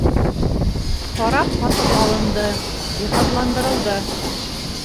Карап һатып алынды, йыһазландырылды.